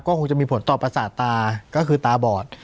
คงจะมีผลต่อประสาทตาก็คือตาบอด